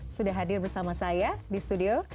sudah hadir bersama saya di studio